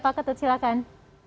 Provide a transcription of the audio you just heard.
pak ketut silakan